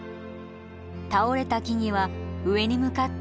倒れた木々は上に向かって成長を続け